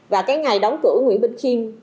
và cái ngày đóng cửa nguyễn bình khiên